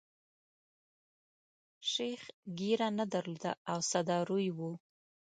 شیخ ږیره نه درلوده او ساده روی وو.